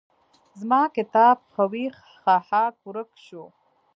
زما کتاب ښوی ښهاک ورک شو.